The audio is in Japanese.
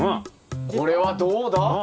これはどうだ？